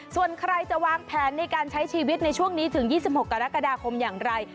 ส่วนใครจะวางแผนในการใช้ชีวิตในช่วงนี้ถึง๒๖กรกฎาคมอย่างไร